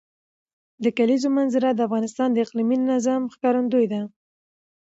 د کلیزو منظره د افغانستان د اقلیمي نظام ښکارندوی ده.